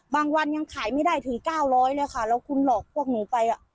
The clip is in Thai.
บางวันยังขายไม่ได้ถึง๙๐๐บาทคุณหลอกเพราะกูไป